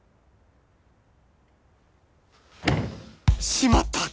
しまった！